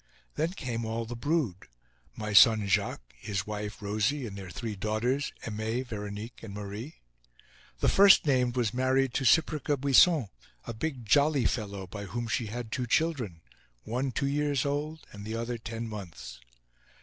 Then came all the brood: my son, Jacques; his wife, Rosie, and their three daughters, Aimee, Veronique, and Marie. The first named was married to Cyprica Bouisson, a big jolly fellow, by whom she had two children, one two years old and the other ten months.